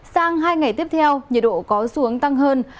sang hai ngày tiếp theo nhiệt độ có xuống tăng hơn